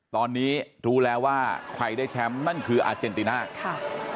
ตอนนี้รู้แล้วว่าใครได้แชมป์นั่นคืออาเจนติน่าค่ะ